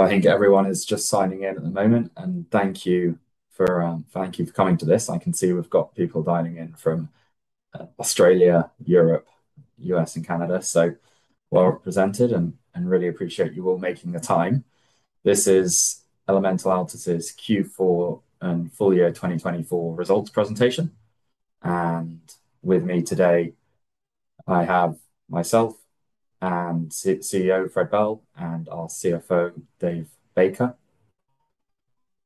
I think everyone is just signing in at the moment, and thank you for, thank you for coming to this. I can see we've got people dialing in from Australia, Europe, the U.S., and Canada, so well represented, and really appreciate you all making the time. This is Elemental Altus's Q4 and full year 2024 results presentation. With me today, I have myself and CEO Fred Bell, and our CFO, Dave Baker.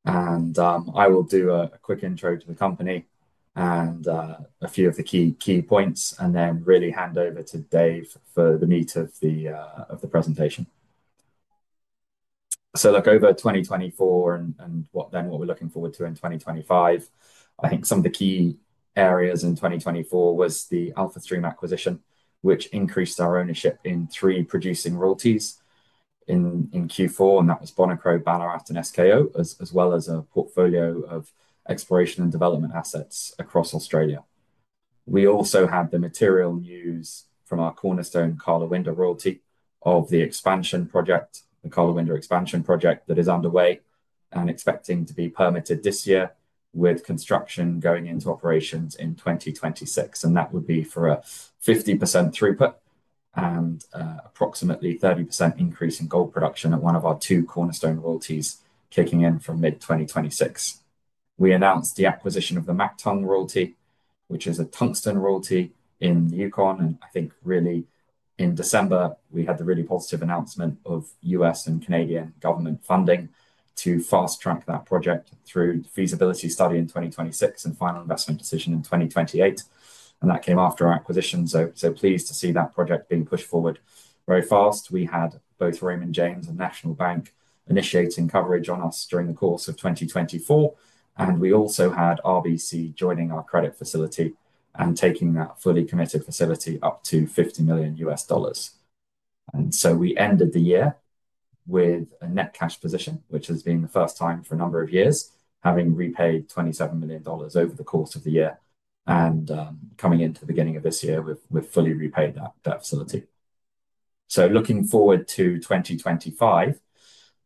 I will do a quick intro to the company and a few of the key, key points, and then really hand over to Dave for the meat of the presentation. Over 2024 and what we're looking forward to in 2025, I think some of the key areas in 2024 was the AlphaStream acquisition, which increased our ownership in three producing royalties in Q4, and that was Bonikro, Ballarat, and SKO, as well as a portfolio of exploration and development assets across Australia. We also had the material news from our cornerstone Karlawinda royalty of the expansion project, the Karlawinda expansion project that is underway and expecting to be permitted this year, with construction going into operations in 2026. That would be for a 50% throughput and approximately 30% increase in gold production at one of our two cornerstone royalties kicking in from mid-2026. We announced the acquisition of the Mactung royalty, which is a tungsten royalty in Yukon. I think really in December, we had the really positive announcement of U.S. and Canadian government funding to fast-track that project through the feasibility study in 2026 and final investment decision in 2028. That came after our acquisition. So pleased to see that project being pushed forward very fast. We had both Raymond James and National Bank initiating coverage on us during the course of 2024. We also had RBC joining our credit facility and taking that fully committed facility up to $50 million. We ended the year with a net cash position, which has been the first time for a number of years, having repaid $27 million over the course of the year. Coming into the beginning of this year, we've fully repaid that facility. Looking forward to 2025,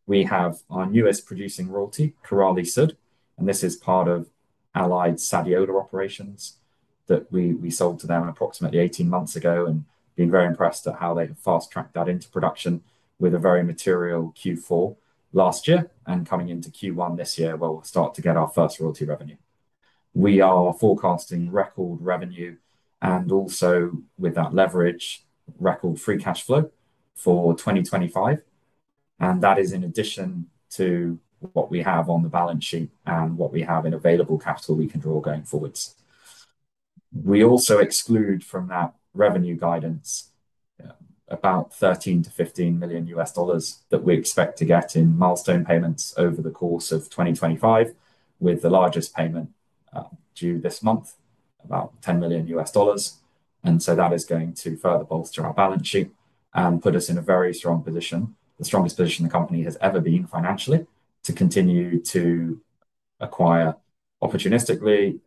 we have our newest producing royalty, Korali-Sud, and this is part of Allied Gold Sadiola operations that we sold to them approximately 18 months ago and have been very impressed at how they have fast-tracked that into production with a very material Q4 last year and coming into Q1 this year where we'll start to get our first royalty revenue. We are forecasting record revenue and also with that leverage, record free cash flow for 2025. That is in addition to what we have on the balance sheet and what we have in available capital we can draw going forwards. We also exclude from that revenue guidance about $13 million-$15 million that we expect to get in milestone payments over the course of 2025, with the largest payment due this month, about $10 million. That is going to further bolster our balance sheet and put us in a very strong position, the strongest position the company has ever been financially to continue to acquire opportunistically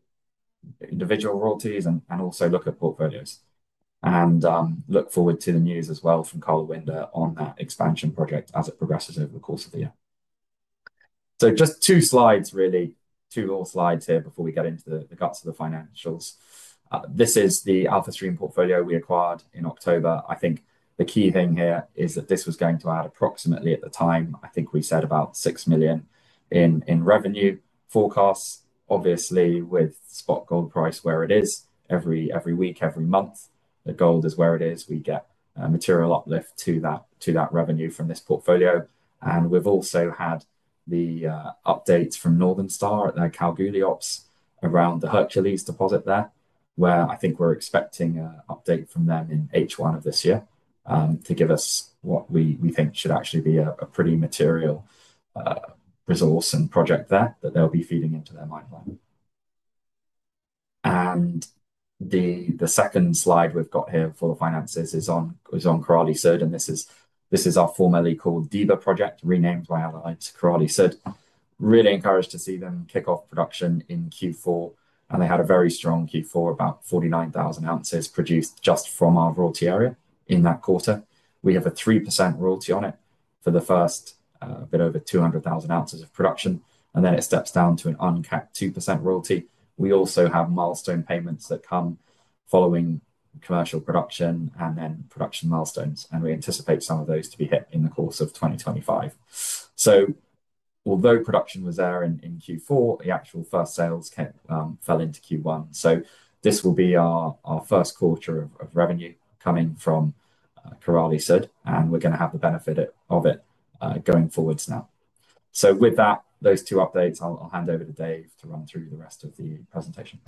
individual royalties and also look at portfolios. I look forward to the news as well from Karlawinda on that expansion project as it progresses over the course of the year. Just two slides, really two more slides here before we get into the guts of the financials. This is the AlphaStream portfolio we acquired in October. I think the key thing here is that this was going to add approximately, at the time, I think we said about $6 million in revenue forecasts, obviously with spot gold price where it is every week, every month. The gold is where it is. We get a material uplift to that, to that revenue from this portfolio. We've also had the updates from Northern Star at their Kalgoorlie ops around the Hercules deposit there, where I think we're expecting an update from them in H1 of this year, to give us what we think should actually be a pretty material resource and project there that they'll be feeding into their mine plan. The second slide we've got here for the finances is Korali-Sud, and this is our formerly called Diba project, renamed by Allied Korali-Sud. really encouraged to see them kick off production in Q4, and they had a very strong Q4, about 49,000 ounces produced just from our royalty area in that quarter. We have a 3% royalty on it for the first bit over 200,000 ounces of production, and then it steps down to an uncapped 2% royalty. We also have milestone payments that come following commercial production and then production milestones, and we anticipate some of those to be hit in the course of 2025. Although production was there in Q4, the actual first sales fell into Q1. This will be our first quarter of revenue coming Korali-Sud, and we're gonna have the benefit of it going forwards now. With that, those two updates, I'll hand over to Dave to run through the rest of the presentation.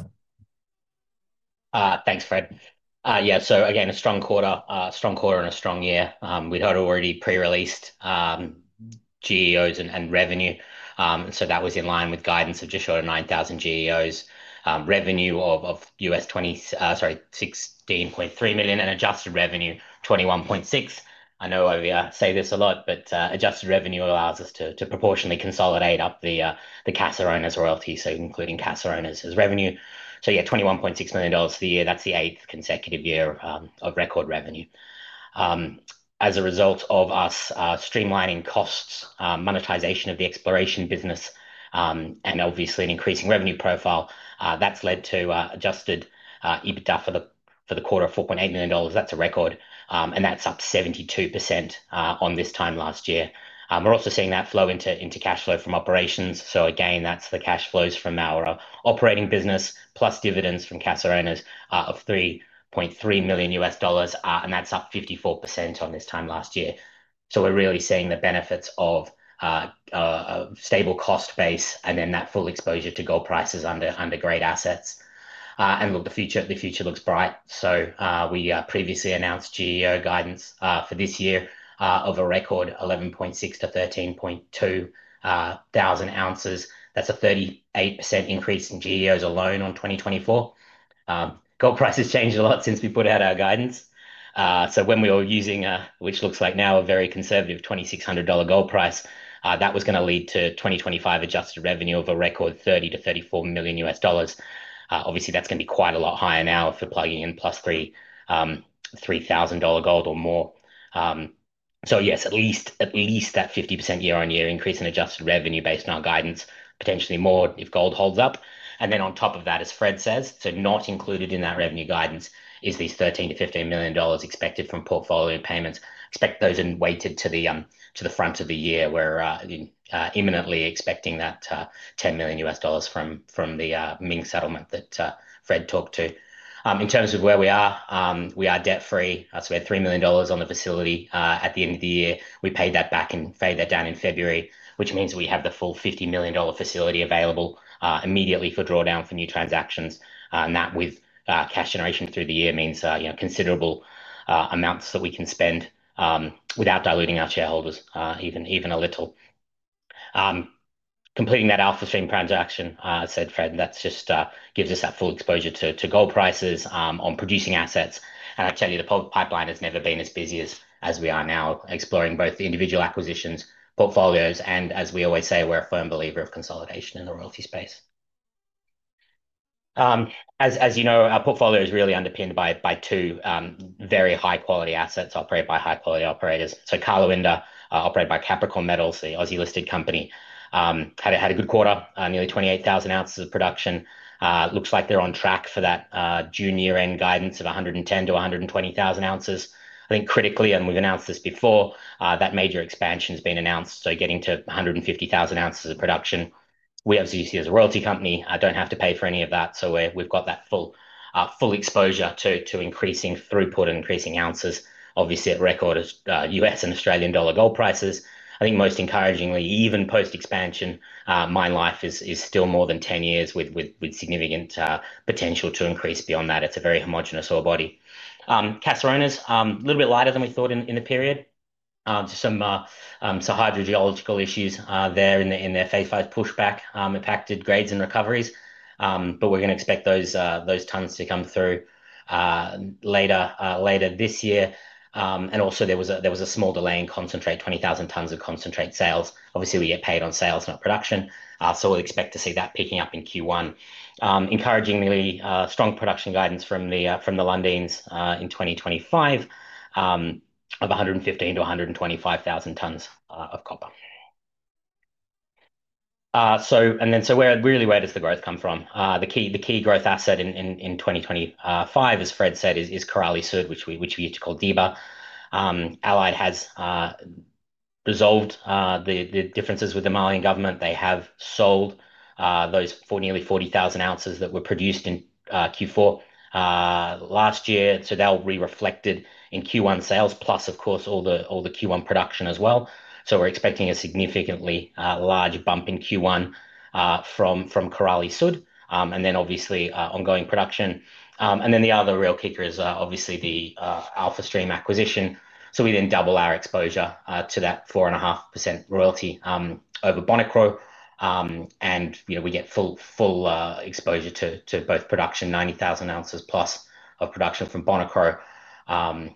Thanks, Fred. Yeah, so again, a strong quarter, strong quarter and a strong year. We had already pre-released GEOs and revenue, and that was in line with guidance of just short of 9,000 GEOs. Revenue of $16.3 million and adjusted revenue $21.6 million. I know I say this a lot, but adjusted revenue allows us to proportionately consolidate up the Caserones royalty, so including Caserones as revenue. So yeah, $21.6 million for the year. That's the eighth consecutive year of record revenue. As a result of us streamlining costs, monetization of the exploration business, and obviously an increasing revenue profile, that's led to Adjusted EBITDA for the quarter of $4.8 million. That's a record, and that's up 72% on this time last year. We're also seeing that flow into cash flow from operations. Again, that's the cash flows from our operating business plus dividends from Caserones, of $3.3 million US dollars, and that's up 54% on this time last year. We're really seeing the benefits of a stable cost base and then that full exposure to gold prices under great assets. Look, the future looks bright. We previously announced GEO guidance for this year, of a record 11.6-13.2 thousand ounces. That's a 38% increase in GEOs alone on 2024. Gold prices changed a lot since we put out our guidance. When we were using, which looks like now a very conservative $2,600 gold price, that was going to lead to 2025 adjusted revenue of a record $30 million-$34 million US dollars. Obviously that's going to be quite a lot higher now if we're plugging in plus $3,000 gold or more. Yes, at least, at least that 50% year-on-year increase in adjusted revenue based on our guidance, potentially more if gold holds up. Then on top of that, as Fred says, not included in that revenue guidance is these $13 million-$15 million expected from portfolio payments. Expect those weighted to the front of the year where, imminently expecting that $10 million from the Ming settlement that Fred talked to. In terms of where we are, we are debt free. We had $3 million on the facility at the end of the year. We paid that back and paid that down in February, which means we have the full $50 million facility available immediately for drawdown for new transactions. And that with, cash generation through the year means, you know, considerable, amounts that we can spend, without diluting our shareholders, even, even a little. completing that AlphaStream transaction, said Fred, that's just, gives us that full exposure to, to gold prices, on producing assets. I'll tell you, the pipeline has never been as busy as, as we are now exploring both individual acquisitions, portfolios, and as we always say, we're a firm believer of consolidation in the royalty space. as, as you know, our portfolio is really underpinned by, by two, very high quality assets operated by high quality operators. So Karlawinda, operated by Capricorn Metals, the Aussie listed company, had a, had a good quarter, nearly 28,000 ounces of production. looks like they're on track for that, junior end guidance of 110,000-120,000 ounces. I think critically, and we've announced this before, that major expansion's been announced. Getting to 150,000 ounces of production, we obviously see as a royalty company, I don't have to pay for any of that. We've got that full, full exposure to increasing throughput and increasing ounces, obviously at record, US and Australian dollar gold prices. I think most encouragingly, even post expansion, mine life is still more than 10 years with significant potential to increase beyond that. It's a very homogenous ore body. Caserones, a little bit lighter than we thought in the period. Some hydrogeological issues there in their phase five pushback impacted grades and recoveries. We're gonna expect those tons to come through later this year. There was a small delay in concentrate, 20,000 tons of concentrate sales. Obviously we get paid on sales, not production. We'll expect to see that picking up in Q1. Encouragingly, strong production guidance from the Lundins in 2025, of 115,000-125,000 tons of copper. Where does the growth come from? The key growth asset in 2025, as Fred said, Korali-Sud, which we used to call Diba. Allied has resolved the differences with the Malian government. They have sold those for nearly 40,000 ounces that were produced in Q4 last year. They'll be reflected in Q1 sales, plus of course all the Q1 production as well. We're expecting a significantly large bump in Q1 from Korali-Sud. Obviously, ongoing production and then the other real kicker is, obviously the, AlphaStream acquisition. So we then double our exposure, to that 4.5% royalty, over Bonikro. and you know, we get full, full, exposure to, to both production, 90,000+ ounces of production from Bonikro, at,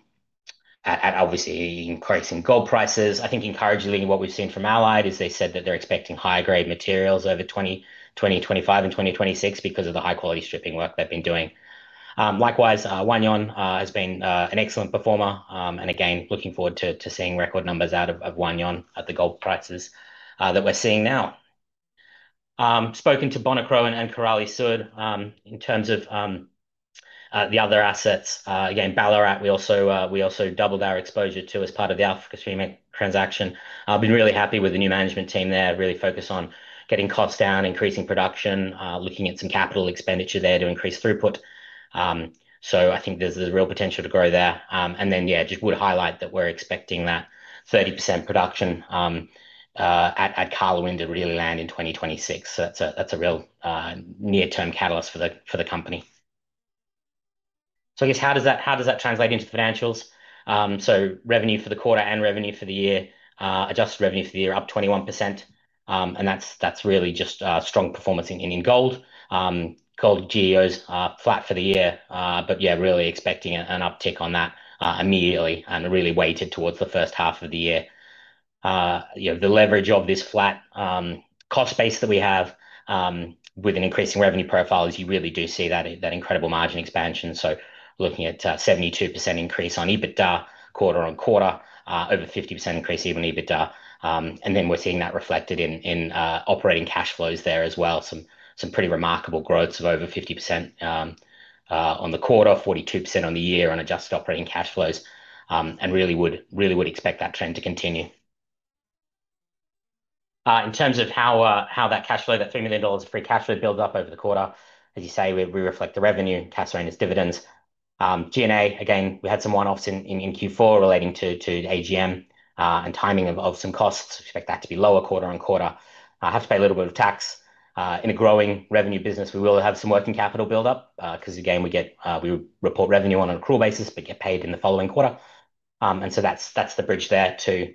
at obviously increasing gold prices. I think encouragingly what we've seen from Allied is they said that they're expecting higher grade materials over 2025 and 2026 because of the high quality stripping work they've been doing. Likewise, Wahgnion, has been, an excellent performer. and again, looking forward to, to seeing record numbers out of, of Wahgnion at the gold prices, that we're seeing now. spoken to Bonikro and, Korali-Sud, in terms of, the other assets, again, Ballarat, we also, we also doubled our exposure to as part of the AlphaStream transaction. I've been really happy with the new management team there, really focused on getting costs down, increasing production, looking at some capital expenditure there to increase throughput. I think there's real potential to grow there. I would highlight that we're expecting that 30% production at Karlawinda really land in 2026. That's a real near-term catalyst for the company. I guess how does that translate into the financials? Revenue for the quarter and revenue for the year, adjusted revenue for the year up 21%. That's really just strong performance in gold. Gold GEOs flat for the year, but really expecting an uptick on that immediately and really weighted towards the first half of the year. You know, the leverage of this flat, cost base that we have, with an increasing revenue profile is you really do see that, that incredible margin expansion. Looking at, 72% increase on EBITDA quarter on quarter, over 50% increase even EBITDA. We are seeing that reflected in, in, operating cash flows there as well. Some pretty remarkable growths of over 50% on the quarter, 42% on the year on adjusted operating cash flows. I really would, really would expect that trend to continue. In terms of how, how that cash flow, that $3 million of free cash flow builds up over the quarter, as you say, we reflect the revenue, Caserones' dividends. G&A, again, we had some one-offs in Q4 relating to AGM, and timing of some costs. We expect that to be lower quarter on quarter. Have to pay a little bit of tax. In a growing revenue business, we will have some working capital buildup, 'cause again, we get, we report revenue on an accrual basis, but get paid in the following quarter. That is the bridge there to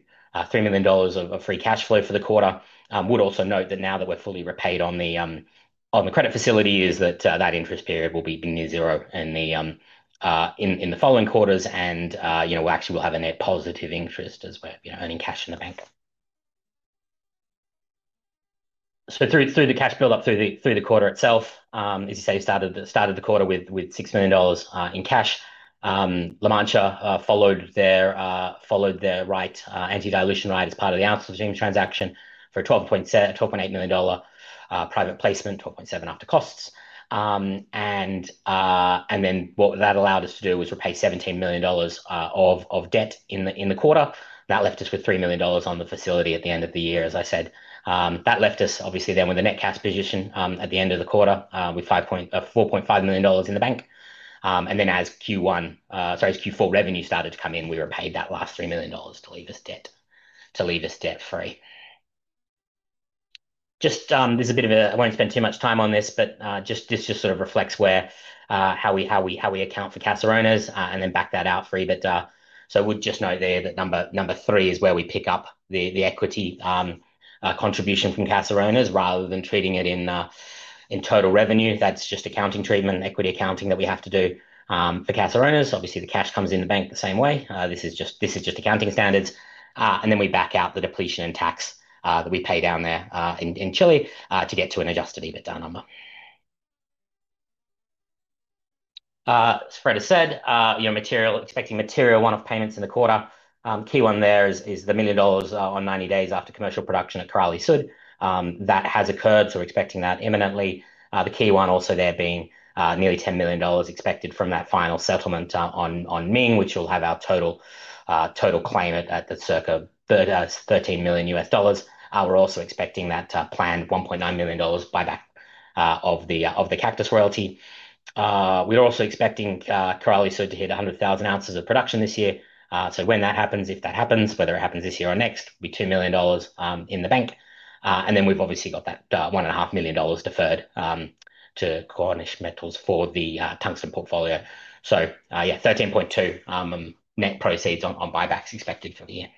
$3 million of free cash flow for the quarter. Would also note that now that we are fully repaid on the credit facility, that interest period will be near zero in the following quarters. You know, we will actually have a net positive interest as we are earning cash in the bank. Through the cash buildup through the quarter itself, as you say, started the quarter with $6 million in cash. La Mancha followed their right, anti-dilution right as part of the AlphaStream transaction for a $12.8 million private placement, $12.7 million after costs. What that allowed us to do was repay $17 million of debt in the quarter. That left us with $3 million on the facility at the end of the year. As I said, that left us obviously then with a net cash position at the end of the quarter, with $4.5 million in the bank. As Q4 revenue started to come in, we repaid that last $3 million to leave us debt free. Just, there's a bit of a, I won't spend too much time on this, but, just, this just sort of reflects where, how we, how we, how we account for Caserones, and then back that out for EBITDA. I would just note there that number three is where we pick up the equity contribution from Caserones rather than treating it in total revenue. That's just accounting treatment and equity accounting that we have to do, for Caserones. Obviously the cash comes in the bank the same way. This is just accounting standards. Then we back out the depletion and tax that we pay down there, in Chile, to get to an Adjusted EBITDA number. As Fred has said, you know, material, expecting material one of payments in the quarter. Key one there is, is the million dollars on 90 days after commercial production Korali-Sud. that has occurred. We're expecting that imminently. The key one also there being, nearly $10 million expected from that final settlement, on, on Ming, which will have our total, total claim at, at the circa $13 million. We're also expecting that planned $1.9 million buyback, of the, of the Cactus royalty. We're also Korali-Sud to hit 100,000 ounces of production this year. When that happens, if that happens, whether it happens this year or next, it'll be $2 million in the bank. We've obviously got that $1.5 million deferred to Cornish Metals for the tungsten portfolio. Yeah, $13.2 million net proceeds on, on buybacks expected for the year.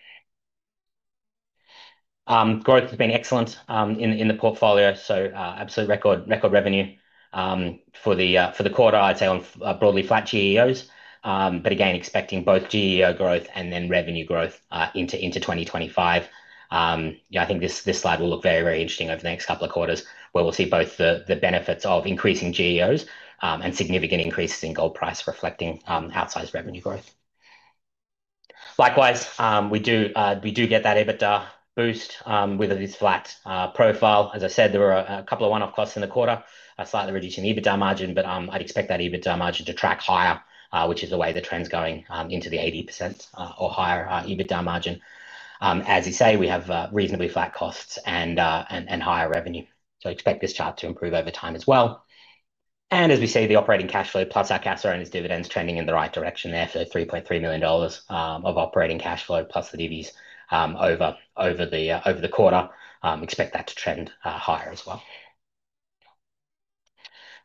Growth has been excellent in, in the portfolio. Absolute record, record revenue for the quarter, I'd say on broadly flat GEOs. Again, expecting both GEO growth and then revenue growth into 2025. You know, I think this slide will look very, very interesting over the next couple of quarters where we'll see both the benefits of increasing GEOs and significant increases in gold price reflecting outsized revenue growth. Likewise, we do get that EBITDA boost with this flat profile. As I said, there were a couple of one-off costs in the quarter, a slightly reducing EBITDA margin, but I'd expect that EBITDA margin to track higher, which is the way the trend's going, into the 80% or higher EBITDA margin. As you say, we have reasonably flat costs and higher revenue. So expect this chart to improve over time as well. As we see the operating cash flow plus our Caserones' dividends trending in the right direction there for $3.3 million of operating cash flow plus the divvies over the quarter, expect that to trend higher as well.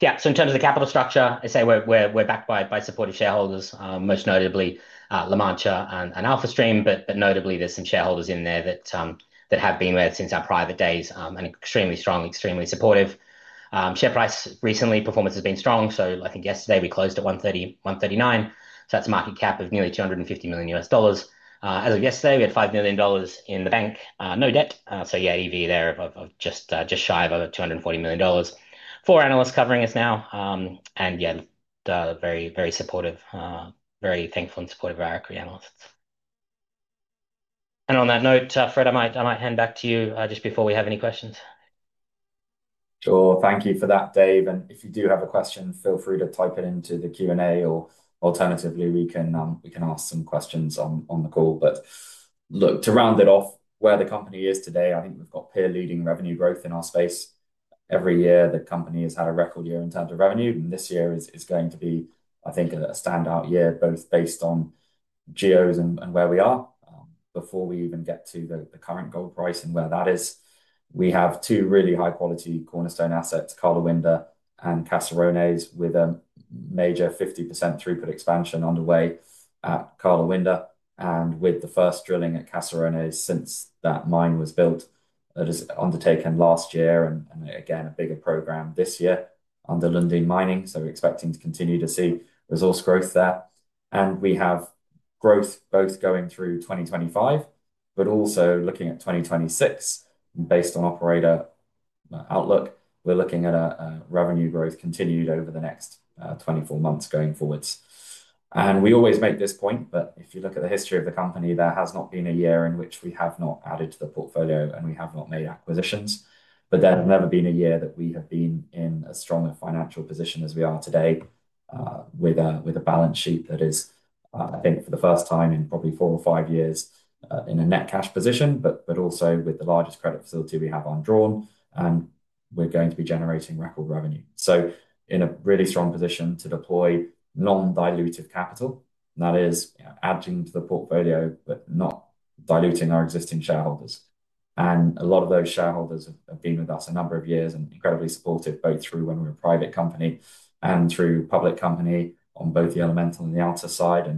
In terms of the capital structure, I say we're backed by supportive shareholders, most notably La Mancha and AlphaStream. Notably, there are some shareholders in there that have been with us since our private days, and extremely strong, extremely supportive. Share price recently, performance has been strong. I think yesterday we closed at 130, 139. That is a market cap of nearly $250 million US dollars. As of yesterday we had $5 million in the bank, no debt. EV there of just shy of over $240 million. Four analysts covering us now and yeah, very, very supportive, very thankful and supportive of our equity analysts. On that note, Fred, I might hand back to you, just before we have any questions. Sure. Thank you for that, Dave. If you do have a question, feel free to type it into the Q&A or alternatively we can ask some questions on the call. To round it off where the company is today, I think we've got peer leading revenue growth in our space. Every year the company has had a record year in terms of revenue, and this year is going to be, I think, a standout year both based on GEOs and where we are. Before we even get to the current gold price and where that is, we have two really high quality cornerstone assets, Karlawinda and Caserones, with a major 50% throughput expansion underway at Karlawinda and with the first drilling at Caserones since that mine was built, that is undertaken last year. Again, a bigger program this year under Lundin Mining. We are expecting to continue to see resource growth there. We have growth both going through 2025, but also looking at 2026 based on operator outlook. We are looking at a revenue growth continued over the next 24 months going forwards. We always make this point, but if you look at the history of the company, there has not been a year in which we have not added to the portfolio and we have not made acquisitions. There has never been a year that we have been in a stronger financial position as we are today, with a balance sheet that is, I think for the first time in probably four or five years, in a net cash position, but also with the largest credit facility we have undrawn and we are going to be generating record revenue. In a really strong position to deploy non-dilutive capital, that is adding to the portfolio but not diluting our existing shareholders. A lot of those shareholders have been with us a number of years and incredibly supportive both through when we were a private company and through public company on both the Elemental and the Altus side. I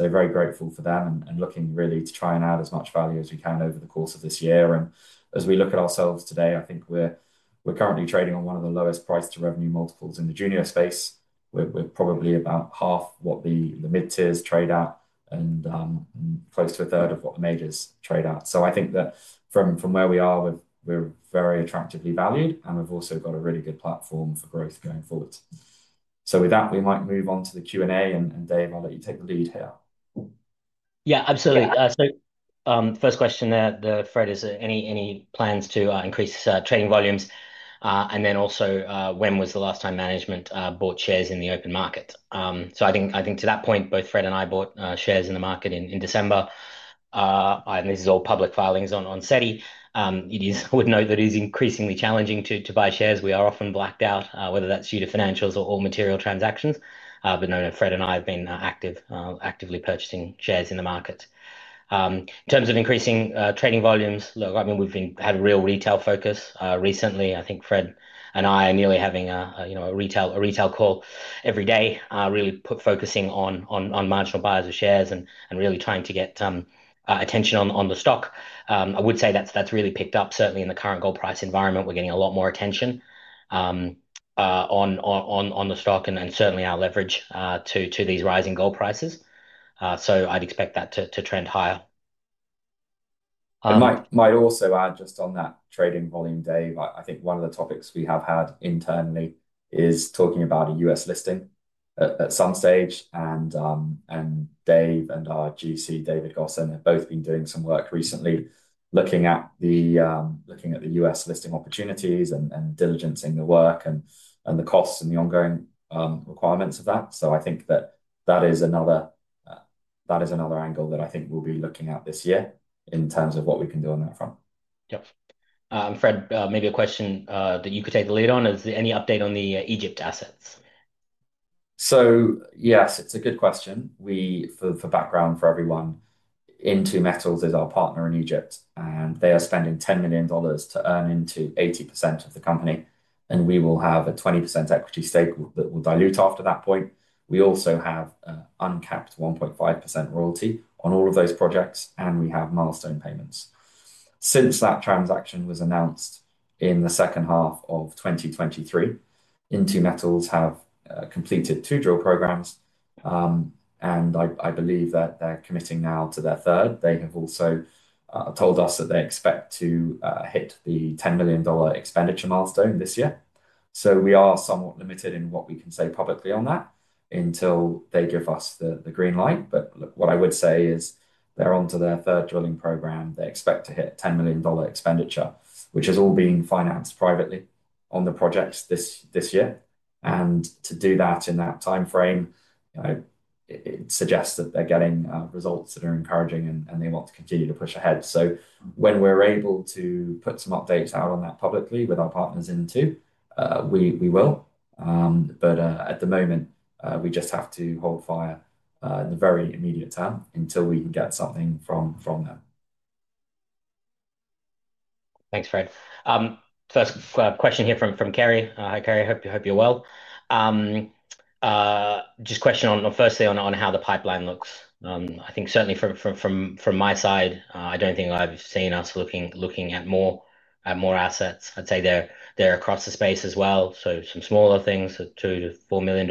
am very grateful for them and looking really to try and add as much value as we can over the course of this year. As we look at ourselves today, I think we're currently trading on one of the lowest price to revenue multiples in the junior space. We're probably about half what the mid-tiers trade at and close to a third of what the majors trade at. I think that from where we are, we're very attractively valued and we've also got a really good platform for growth going forwards. With that, we might move on to the Q&A, and Dave, I'll let you take the lead here. Yeah, absolutely. First question there, Fred, is any plans to increase trading volumes? And then also, when was the last time management bought shares in the open market? I think to that point, both Fred and I bought shares in the market in December. This is all public filings on SEDI. I would note that it is increasingly challenging to buy shares. We are often blacked out, whether that's due to financials or material transactions. Fred and I have been actively purchasing shares in the market. In terms of increasing trading volumes, look, I mean, we've had a real retail focus recently. I think Fred and I are nearly having a, you know, a retail, a retail call every day, really focusing on marginal buyers of shares and really trying to get attention on the stock. I would say that's really picked up certainly in the current gold price environment. We're getting a lot more attention on the stock and certainly our leverage to these rising gold prices. I would expect that to trend higher. I might also add just on that trading volume, Dave, I think one of the topics we have had internally is talking about a US listing at some stage. Dave and our GC, David Gosen, have both been doing some work recently looking at the U.S. listing opportunities and diligencing the work and the costs and the ongoing requirements of that. I think that is another angle that I think we'll be looking at this year in terms of what we can do on that front. Yep. Fred, maybe a question that you could take the lead on. Is there any update on the Egypt assets? Yes, it's a good question. For background for everyone, In2Metals is our partner in Egypt and they are spending $10 million to earn into 80% of the company. We will have a 20% equity stake that will dilute after that point. We also have an uncapped 1.5% royalty on all of those projects and we have milestone payments. Since that transaction was announced in the second half of 2023, In2Metals have completed two drill programs. I believe that they're committing now to their third. They have also told us that they expect to hit the $10 million expenditure milestone this year. We are somewhat limited in what we can say publicly on that until they give us the green light. What I would say is they're onto their third drilling program. They expect to hit $10 million expenditure, which has all been financed privately on the projects this year. To do that in that timeframe, you know, it suggests that they're getting results that are encouraging and they want to continue to push ahead. When we're able to put some updates out on that publicly with our partners In2, we will. At the moment, we just have to hold fire in the very immediate term until we can get something from them. Thanks, Fred. First question here from Kerry. Hi Kerry, hope you're well. Just question on, firstly on how the pipeline looks. I think certainly from my side, I don't think I've seen us looking at more assets. I'd say they're across the space as well. Some smaller things, $2 million-$4 million,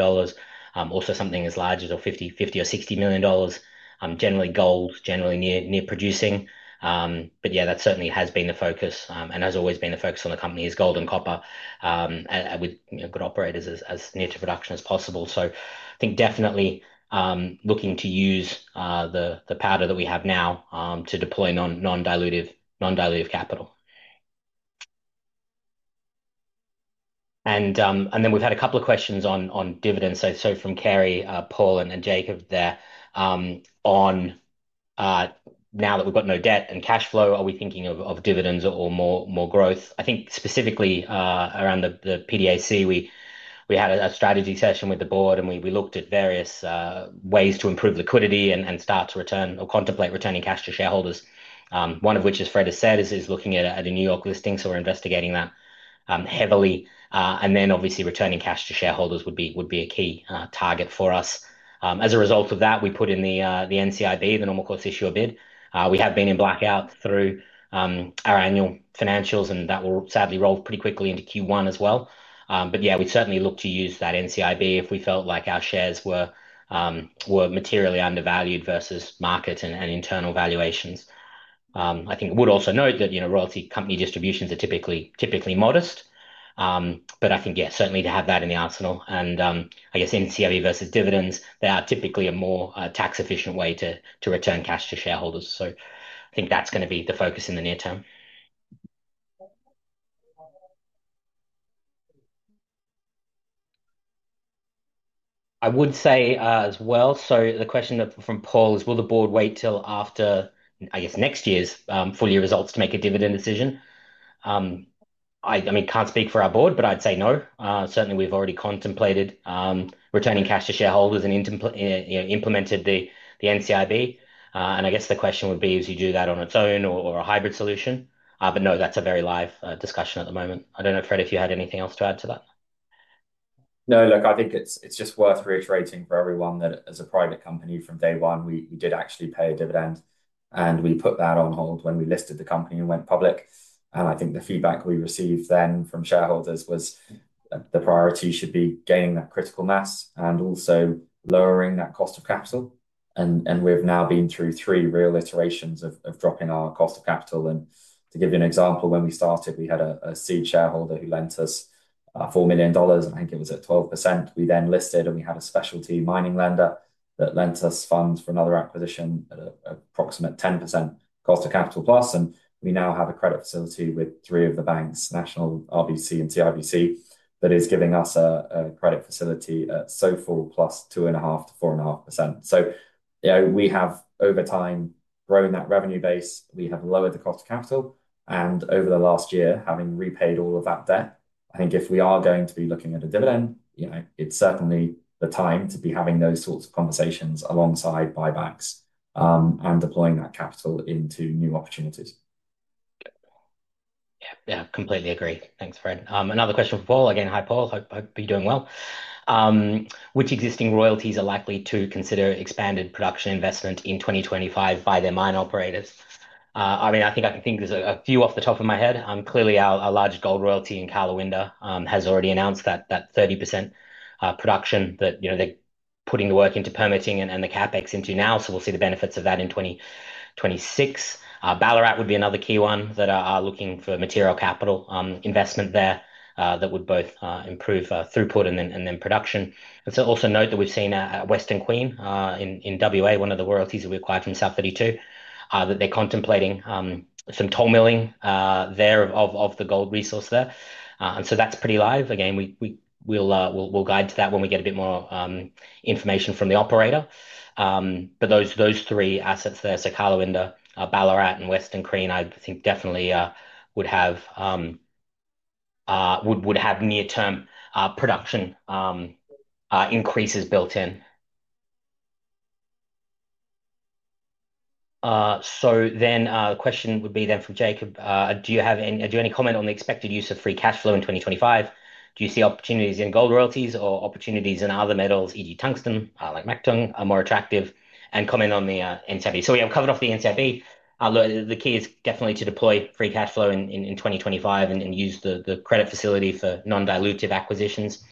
also something as large as $50 million-$60 million. Generally gold, generally near producing. Yeah, that certainly has been the focus, and has always been the focus on the company is gold and copper, with, you know, good operators as, as near to production as possible. I think definitely, looking to use, the, the powder that we have now, to deploy non-dilutive, non-dilutive capital. Then we've had a couple of questions on, on dividends. From Kerry, Paul and, and Jacob there, on, now that we've got no debt and cash flow, are we thinking of, of dividends or, or more, more growth? I think specifically, around the PDAC, we, we had a strategy session with the board and we, we looked at various, ways to improve liquidity and, and start to return or contemplate returning cash to shareholders. One of which, as Fred has said, is, is looking at, at a New York listing. We're investigating that heavily. And then obviously returning cash to shareholders would be a key target for us. As a result of that, we put in the NCIB, the normal course issuer bid. We have been in blackout through our annual financials and that will sadly roll pretty quickly into Q1 as well. But yeah, we'd certainly look to use that NCIB if we felt like our shares were materially undervalued versus market and internal valuations. I think I would also note that, you know, royalty company distributions are typically modest. But I think, yeah, certainly to have that in the arsenal. And, I guess NCIB versus dividends, they are typically a more tax efficient way to return cash to shareholders. So I think that's gonna be the focus in the near term. I would say, as well. The question from Paul is, will the board wait till after, I guess, next year's full year results to make a dividend decision? I mean, can't speak for our board, but I'd say no. Certainly we've already contemplated returning cash to shareholders and, you know, implemented the NCIB. I guess the question would be, is you do that on its own or a hybrid solution? No, that's a very live discussion at the moment. I don't know, Fred, if you had anything else to add to that. No, look, I think it's just worth reiterating for everyone that as a private company from day one, we did actually pay a dividend and we put that on hold when we listed the company and went public. I think the feedback we received then from shareholders was the priority should be gaining that critical mass and also lowering that cost of capital. We've now been through three real iterations of dropping our cost of capital. To give you an example, when we started, we had a seed shareholder who lent us $4 million. I think it was at 12%. We then listed and we had a specialty mining lender that lent us funds for another acquisition at approximately 10% cost of capital plus. We now have a credit facility with three of the banks, National, RBC, and CIBC, that is giving us a credit facility at SOFR plus two and a half to four and a half percent. You know, we have over time grown that revenue base, we have lowered the cost of capital, and over the last year, having repaid all of that debt, I think if we are going to be looking at a dividend, you know, it's certainly the time to be having those sorts of conversations alongside buybacks, and deploying that capital into new opportunities. Yeah, yeah, completely agree. Thanks, Fred. Another question for Paul. Again, hi Paul. Hope you're doing well. Which existing royalties are likely to consider expanded production investment in 2025 by their mine operators? I mean, I think I can think there's a few off the top of my head. Clearly our large gold royalty in Karlawinda has already announced that 30% production that, you know, they're putting the work into permitting and the CapEx into now. We'll see the benefits of that in 2026. Ballarat would be another key one that are looking for material capital investment there, that would both improve throughput and then production. Also note that we've seen a Western Queen in Western Australia, one of the royalties that we acquired from South32, that they're contemplating some toll milling there of the gold resource there, and so that's pretty live. Again, we will guide to that when we get a bit more information from the operator. Those three assets there, so Karlawinda, Ballarat, and Western Queen, I think definitely would have near-term production increases built in. The question would be then from Jacob, do you have any, do you have any comment on the expected use of free cash flow in 2025? Do you see opportunities in gold royalties or opportunities in other metals, e.g., tungsten, like Mactung, are more attractive and comment on the NCIB? We have covered off the NCIB. Look, the key is definitely to deploy free cash flow in 2025 and use the credit facility for non-dilutive acquisitions.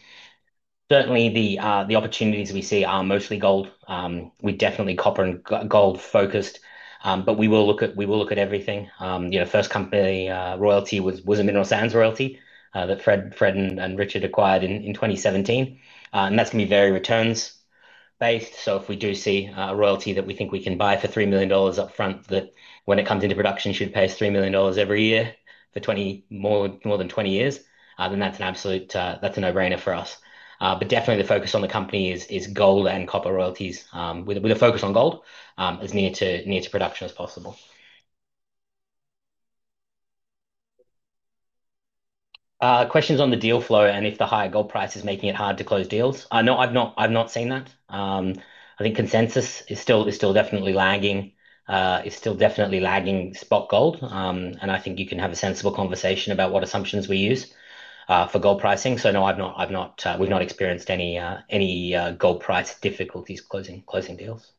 Certainly, the opportunities we see are mostly gold. We are definitely copper and gold focused, but we will look at everything. You know, first company royalty was a mineral sands royalty that Fred and Richard acquired in 2017, and that's gonna be very returns based. If we do see a royalty that we think we can buy for $3 million upfront, that when it comes into production, should pay us $3 million every year for 20, more, more than 20 years, then that's an absolute, that's a no brainer for us. Definitely the focus on the company is gold and copper royalties, with a focus on gold, as near to, near to production as possible. Questions on the deal flow and if the higher gold price is making it hard to close deals. No, I've not, I've not seen that. I think consensus is still, is still definitely lagging, is still definitely lagging spot gold. I think you can have a sensible conversation about what assumptions we use for gold pricing. No, I've not, I've not, we've not experienced any, any gold price difficulties closing, closing deals.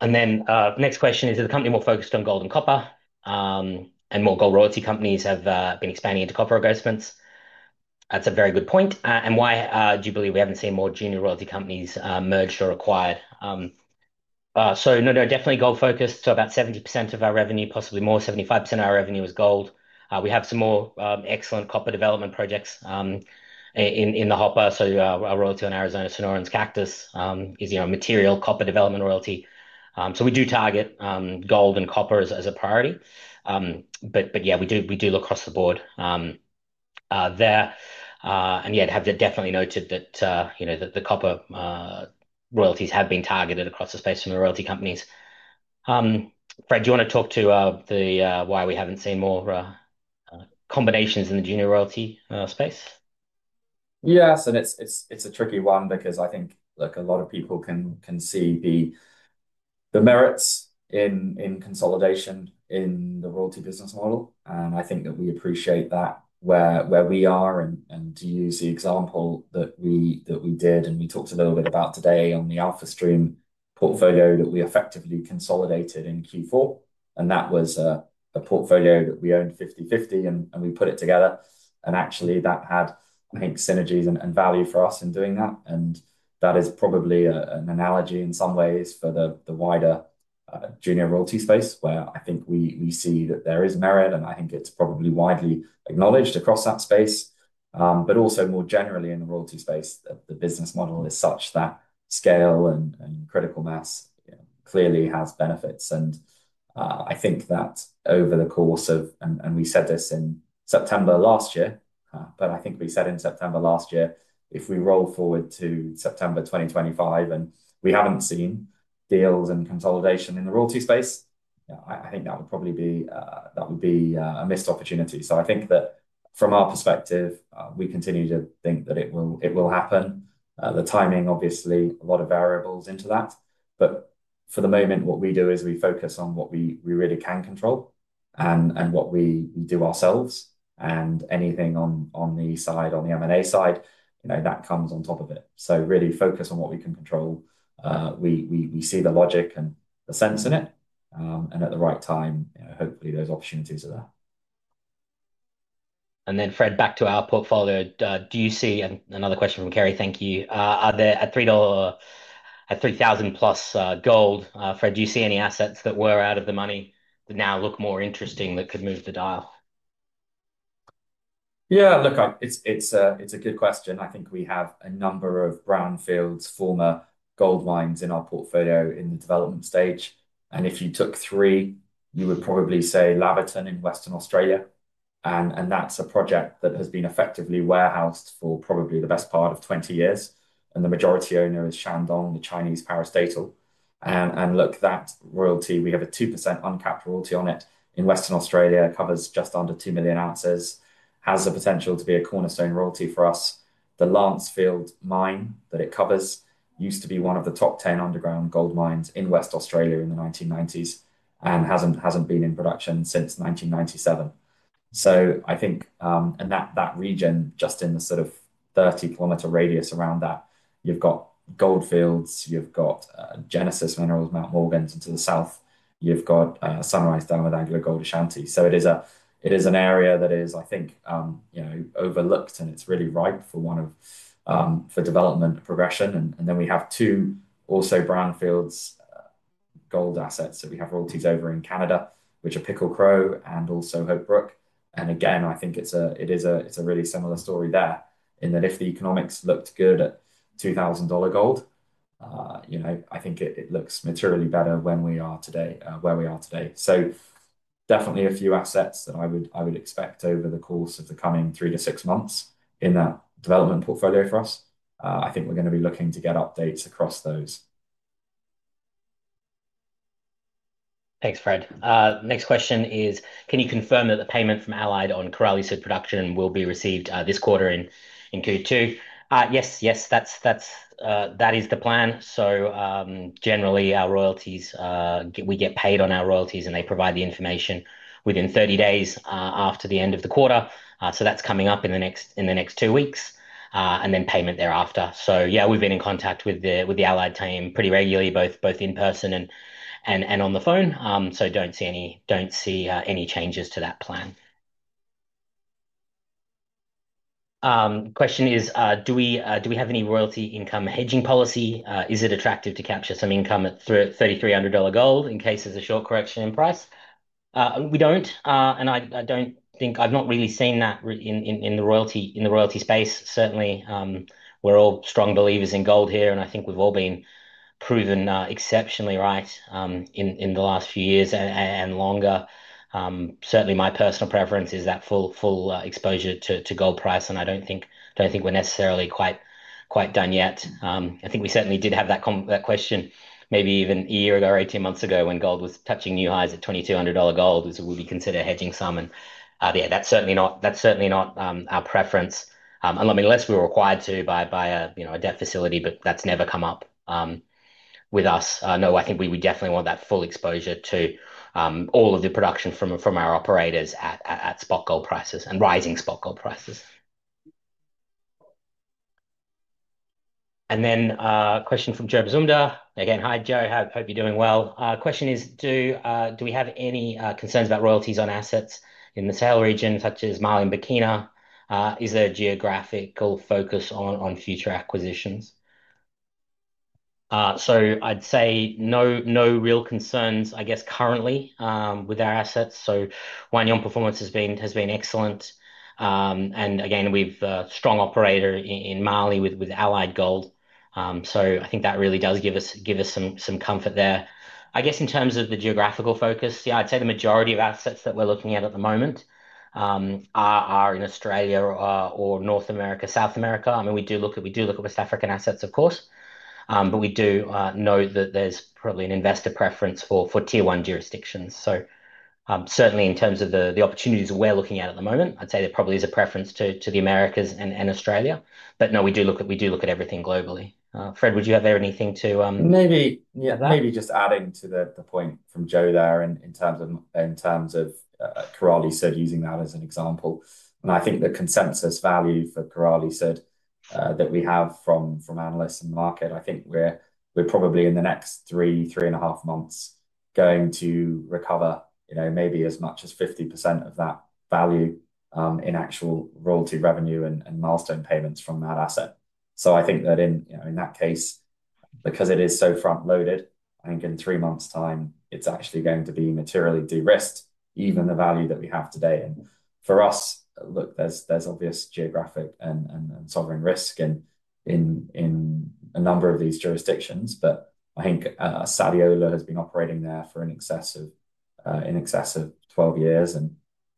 The next question is, is the company more focused on gold and copper? More gold royalty companies have been expanding into copper, rough estimates. That's a very good point. Why do you believe we haven't seen more junior royalty companies merged or acquired? No, definitely gold focused. About 70% of our revenue, possibly more, 75% of our revenue is gold. We have some more excellent copper development projects in the hopper. Our royalty on Arizona Sonoran's Cactus is a material copper development royalty. We do target gold and copper as a priority. We do look across the board there. I have definitely noted that the copper royalties have been targeted across the space from the royalty companies. Fred, do you wanna talk to why we haven't seen more combinations in the junior royalty space? Yeah. It's a tricky one because I think, look, a lot of people can see the merits in consolidation in the royalty business model. I think that we appreciate that where we are, and to use the example that we did and we talked a little bit about today on the AlphaStream portfolio that we effectively consolidated in Q4. That was a portfolio that we owned 50/50 and we put it together. Actually, that had, I think, synergies and value for us in doing that. That is probably an analogy in some ways for the wider junior royalty space where I think we see that there is merit and I think it's probably widely acknowledged across that space. Also, more generally in the royalty space, the business model is such that scale and critical mass, you know, clearly has benefits. I think that over the course of, and we said this in September last year, but I think we said in September last year, if we roll forward to September 2025 and we haven't seen deals and consolidation in the royalty space, yeah, I think that would probably be, that would be a missed opportunity. I think that from our perspective, we continue to think that it will happen. The timing obviously has a lot of variables in it, but for the moment what we do is we focus on what we really can control and what we do ourselves. Anything on the side, on the M&A side, that comes on top of it. Really focus on what we can control. We see the logic and the sense in it, and at the right time, hopefully those opportunities are there. Fred, back to our portfolio, do you see, and another question from Kerry, thank you. Are there, at $3,000 plus gold, Fred, do you see any assets that were out of the money that now look more interesting that could move the dial? Yeah, look, it's a good question. I think we have a number of brownfields, former gold mines in our portfolio in the development stage. If you took three, you would probably say Laverton in Western Australia. That's a project that has been effectively warehoused for probably the best part of 20 years. The majority owner is Shandong, the Chinese parastatal. That royalty, we have a 2% uncapped royalty on it in Western Australia, covers just under 2 million ounces, has the potential to be a cornerstone royalty for us. The Lancefield mine that it covers used to be one of the top 10 underground gold mines in Western Australia in the 1990s and hasn't been in production since 1997. I think, and that region just in the sort of 30 kilometer radius around that, you've got Gold Fields, you've got Genesis Minerals, Mount Morgans into the south, you've got Sunrise Dam with AngloGold Ashanti. It is an area that is, I think, you know, overlooked and it's really ripe for development progression. Then we have two also brownfields gold assets that we have royalties over in Canada, which are Pickle Crow and also Hope Brook. Again, I think it's a really similar story there in that if the economics looked good at $2,000 gold, you know, I think it looks materially better where we are today. Definitely a few assets that I would expect over the course of the coming three to six months in that development portfolio for us. I think we're gonna be looking to get updates across those. Thanks, Fred. Next question is, can you confirm that the payment from on Korali-Sud's production will be received this quarter, in Q2? Yes, yes, that is the plan. Generally, we get paid on our royalties and they provide the information within 30 days after the end of the quarter. That's coming up in the next two weeks, and then payment thereafter. We've been in contact with the Allied team pretty regularly, both in person and on the phone. I don't see any changes to that plan. question is, do we, do we have any royalty income hedging policy? Is it attractive to capture some income at $3,300 gold in case there's a short correction in price? We don't, and I, I don't think I've not really seen that in, in, in the royalty, in the royalty space. Certainly, we're all strong believers in gold here and I think we've all been proven, exceptionally right, in, in the last few years and, and, and longer. Certainly my personal preference is that full, full exposure to, to gold price. I don't think, I don't think we're necessarily quite, quite done yet. I think we certainly did have that com, that question maybe even a year ago, 18 months ago when gold was touching new highs at $2,200 gold, which would be considered hedging some. Yeah, that's certainly not, that's certainly not, our preference. I mean, unless we were required to by, by a, you know, a debt facility, but that's never come up with us. No, I think we definitely want that full exposure to all of the production from our operators at spot gold prices and rising spot gold prices. Question from Joe Mazumdar again. Hi Joe, hope you're doing well. Question is, do we have any concerns about royalties on assets in the Sahel region such as Mali and Burkina? Is there a geographical focus on future acquisitions? I'd say no, no real concerns I guess currently with our assets. Wahgnion performance has been excellent. Again, we've a strong operator in Mali with Allied Gold. I think that really does give us some comfort there. I guess in terms of the geographical focus, yeah, I'd say the majority of assets that we're looking at at the moment are in Australia, or North America, South America. I mean, we do look at, we do look at West African assets, of course. We do know that there's probably an investor preference for tier one jurisdictions. Certainly in terms of the opportunities we're looking at at the moment, I'd say there probably is a preference to the Americas and Australia. We do look at, we do look at everything globally. Fred, would you have there anything to. Maybe, yeah, maybe just adding to the point from Joe there in terms Korali-Sud, using that as an example. I think the consensus value Korali-Sud that we have from analysts in the market, I think we're probably in the next three, three and a half months going to recover, you know, maybe as much as 50% of that value in actual royalty revenue and milestone payments from that asset. I think that in that case, because it is so front loaded, I think in three months' time it's actually going to be materially de-risked even the value that we have today. For us, look, there's obvious geographic and sovereign risk in a number of these jurisdictions. I think Sadiola has been operating there for in excess of 12 years.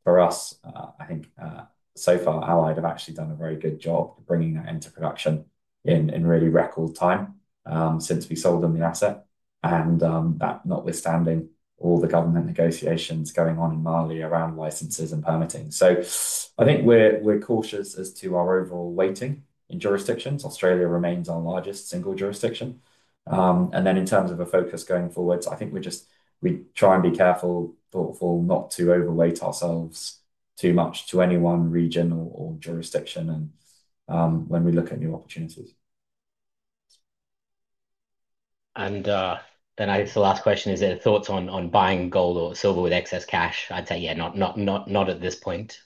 For us, I think, so far Allied have actually done a very good job of bringing that into production in really record time, since we sold them the asset. That notwithstanding all the government negotiations going on in Mali around licenses and permitting. I think we're cautious as to our overall weighting in jurisdictions. Australia remains our largest single jurisdiction. In terms of a focus going forwards, I think we try and be careful not to overweight ourselves too much to any one region or jurisdiction. When we look at new opportunities. I guess the last question is, are there thoughts on buying gold or silver with excess cash? I'd say yeah, not at this point,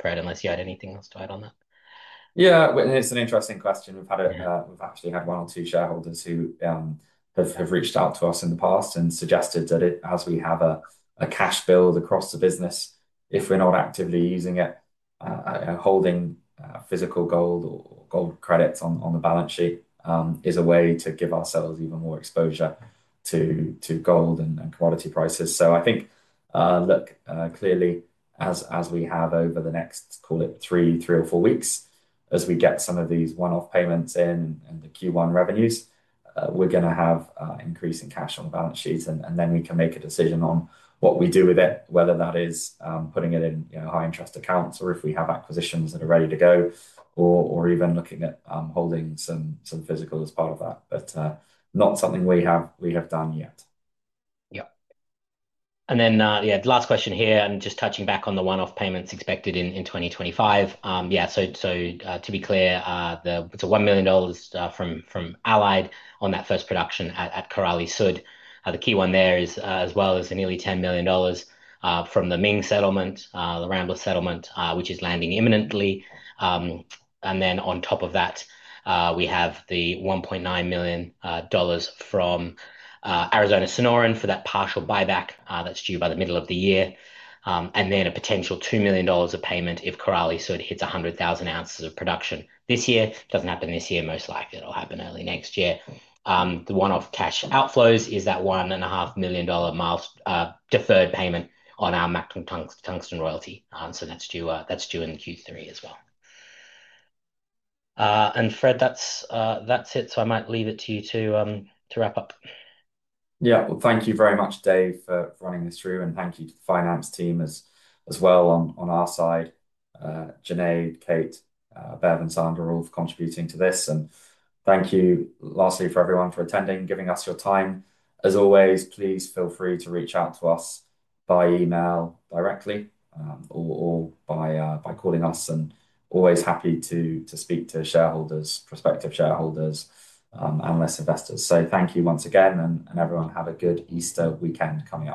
Fred, unless you had anything else to add on that. Yeah, it's an interesting question. We've actually had one or two shareholders who have reached out to us in the past and suggested that as we have a cash build across the business, if we're not actively using it, holding physical gold or gold credits on the balance sheet is a way to give ourselves even more exposure to gold and commodity prices. I think, clearly as we have over the next, call it three or four weeks, as we get some of these one-off payments in and the Q1 revenues, we're gonna have increasing cash on the balance sheet. Then we can make a decision on what we do with it, whether that is putting it in, you know, high interest accounts or if we have acquisitions that are ready to go or even looking at holding some physical as part of that. Not something we have done yet. Yep. Last question here and just touching back on the one-off payments expected in 2025. Yeah. To be clear, it's a $1 million from Allied on that first production Korali-Sud. the key one there is, as well as the nearly $10 million from the Ming settlement, the Rambler settlement, which is landing imminently. On top of that, we have the $1.9 million from Arizona Sonoran for that partial buyback, that's due by the middle of the year and then a potential $2 million of payment Korali-Sud hits 100,000 ounces of production this year. Doesn't happen this year. Most likely it'll happen early next year. The one-off cash outflows is that $1.5 million milestone deferred payment on our Mactung royalty. That's due, that's due in Q3 as well. Fred, that's it. I might leave it to you to wrap up. Yeah. Thank you very much, Dave, for running this through. Thank you to the finance team as well on our side. Janae, Kate, Bev, and San are all contributing to this. Thank you lastly for everyone for attending, giving us your time. As always, please feel free to reach out to us by email directly, or by calling us. Always happy to speak to shareholders, prospective shareholders, analysts, investors. Thank you once again, and everyone have a good Easter weekend coming up.